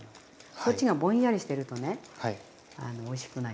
そっちがぼんやりしてるとねおいしくない。